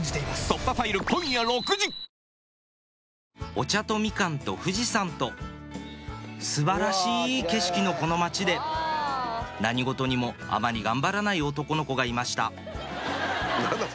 お茶とミカンと富士山と素晴らしい景色のこの町で何事にもあまり頑張らない男の子がいました何だそれ。